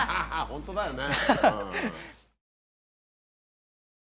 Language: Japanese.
本当だよね。